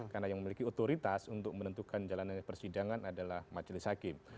karena yang memiliki otoritas untuk menentukan jalanan persidangan adalah majelis hakim